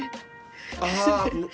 ああ。